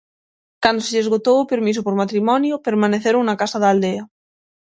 Cando se lles esgotou o permiso por matrimonio, permaneceron na casa da aldea.